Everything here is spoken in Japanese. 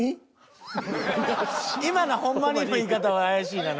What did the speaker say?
今の「ほんまに？」の言い方は怪しいな。